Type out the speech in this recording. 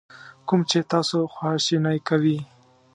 کوم چې تاسو خواشینی کوي.